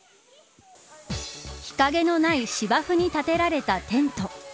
日陰のない芝生に立てられたテント。